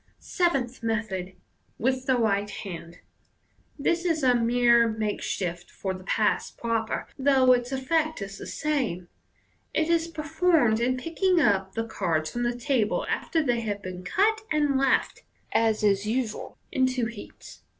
Seventh Method. (With the right hand.) — This is a mere makeshift for the pass proper, though its effect is the same. It is performed in picking up the cards from the table after they have been cut, and left, as is usual, in two heaps.